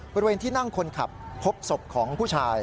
บริเวณที่นั่งคนขับพบศพของผู้ชาย